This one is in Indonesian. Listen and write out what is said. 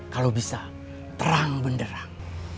kalau bisa terang benderang